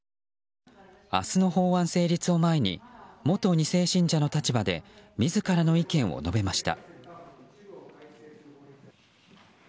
明日の法案成立を前に元２世信者の立場で自らの意見を述べました。